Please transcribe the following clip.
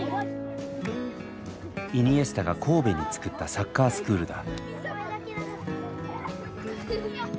イニエスタが神戸に作ったサッカースクールだ。